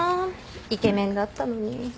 イケメンだったのに。